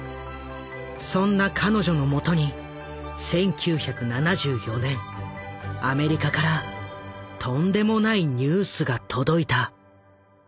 そんな彼女のもとに１９７４年アメリカからとんでもないニュースが届いた。